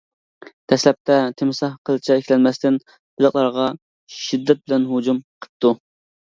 دەسلەپتە، تىمساھ قىلچە ئىككىلەنمەستىن، بېلىقلارغا شىددەت بىلەن ھۇجۇم قىپتۇ.